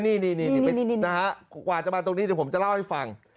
นี่นะฮะกว่าจะมาตรงนี้เดี๋ยวผมจะเล่าให้ฟัง